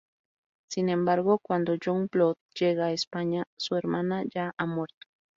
Sin embargo, cuando Youngblood llega a España, su hermana ya ha muerto.